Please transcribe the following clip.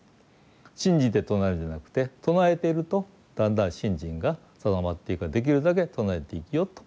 信じて唱えるんじゃなくて唱えているとだんだん信心が定まっていくからできるだけ唱えて生きよと。